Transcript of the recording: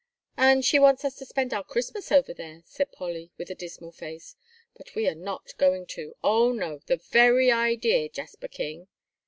"And she wants us to spend our Christmas over there," said Polly, with a dismal face. "But we are not going to; oh, no, the very idea, Jasper King!"